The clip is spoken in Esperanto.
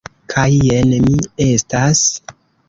Kaj jen mi estas.